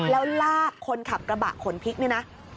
แล้วลากคนขับกระบะขนพริกเนี่ยนะ